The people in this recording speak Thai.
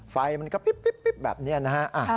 ไฟมันก็ปิ๊บแบบนี้นะฮะ